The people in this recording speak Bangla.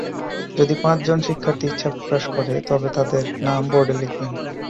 যদি পাঁচজন শিক্ষার্থী ইচ্ছা প্রকাশ করে তবে তাদের নাম বোর্ডে লিখবেন।